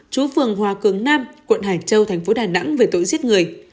chú phường hòa cường nam quận hải châu thành phố đà nẵng về tội giết người